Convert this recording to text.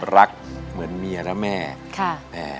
รักเหมือนเมียและแม่